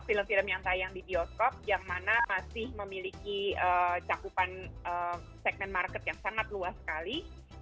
film film yang tayang di bioskop yang mana masih memiliki cakupan segmen market yang sangat luas sekali